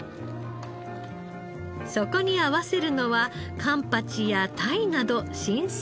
そこに合わせるのはカンパチや鯛など新鮮な魚介。